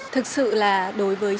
thực sự là đối với trường trung học